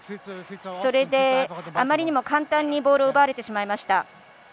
それで、あまりにも簡単にボールを奪われてしまいました。